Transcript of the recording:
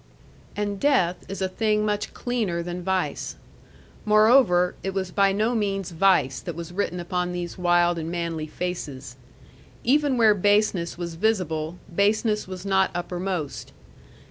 And death is a thing much cleaner than vice. Moreover, it was by no means vice that was written upon these wild and manly faces. Even where baseness was visible, baseness was not uppermost.